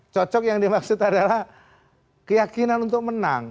cocok yang dimaksud adalah keyakinan untuk menang